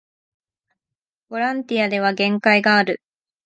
ボランティアでは限界がある